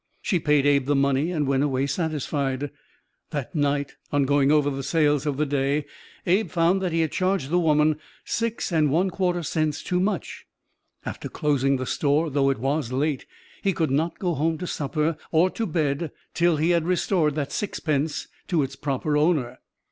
She paid Abe the money and went away satisfied. That night, on going over the sales of the day, Abe found that he had charged the woman six and one fourth cents too much. After closing the store, though it was late, he could not go home to supper or to bed till he had restored that sixpence to its proper owner.